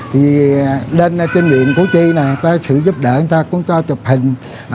thì lên trên miệng cú chi người ta sử dụng giúp đỡ người ta cũng cho chụp hình